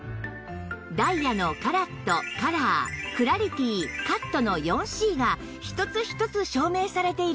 ダイヤのカラットカラークラリティカットの ４Ｃ が一つ一つ証明されているんです